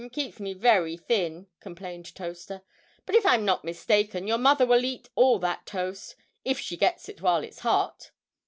"It keeps me very thin," complained Toaster, "but if I'm not mistaken, your mother will eat all that toast, if she gets it while it's hot."